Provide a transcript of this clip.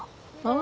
あ。